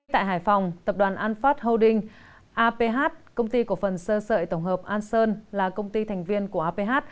tại hải phòng tập đoàn anphard holding aph công ty cổ phần sơ sợi tổng hợp anson là công ty thành viên của aph